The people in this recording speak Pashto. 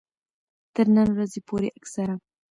تر نن ورځې پورې اکثره